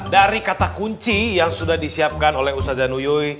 dari kata kunci yang sudah disiapkan oleh ustadz ustadzah